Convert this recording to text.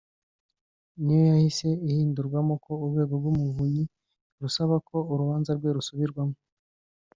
ni yo yahise ihindurwamo ko Urwego rw’Umuvunyi rusaba ko urubanza rwe rusubirwamo